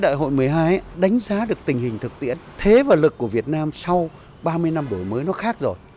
đại hội một mươi hai đánh giá được tình hình thực tiễn thế và lực của việt nam sau ba mươi năm đổi mới nó khác rồi